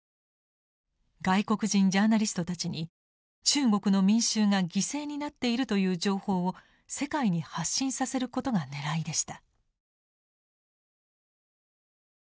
外国人ジャーナリストたちに中国の民衆が犠牲になっているという情報を世界に発信させることが狙いでした。